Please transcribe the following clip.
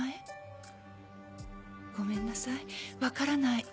ごめんなさい分からない。